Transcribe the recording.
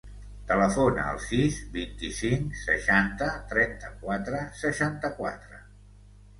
Telefona al sis, vint-i-cinc, seixanta, trenta-quatre, seixanta-quatre.